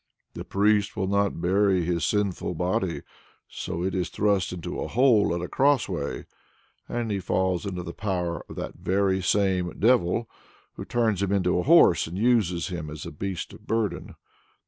"The priest will not bury his sinful body, so it is thrust into a hole at a crossway," and he falls into the power of "that very same devil," who turns him into a horse, and uses him as a beast of burden.